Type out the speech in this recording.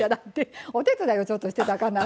お手伝いをちょっとしていただかな。